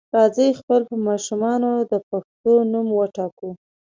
راځئ خپل په ماشومانو د پښتو نوم وټاکو.